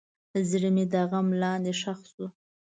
زړه مې د غم لاندې ښخ شو.